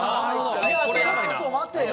いやちょっと待てよ。